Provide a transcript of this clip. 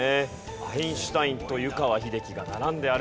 アインシュタインと湯川秀樹が並んで歩く映像です。